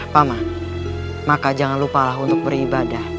pama maka jangan lupalah untuk beribadah